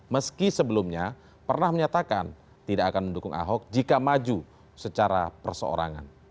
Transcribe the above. meski sebelumnya pernah menyatakan tidak akan mendukung ahok jika maju secara perseorangan